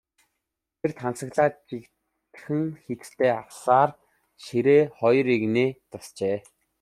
Тэр тасалгаанд жигдхэн хийцтэй авсаархан ширээ хоёр эгнээгээр засжээ.